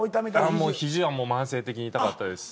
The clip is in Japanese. もう肘は慢性的に痛かったです。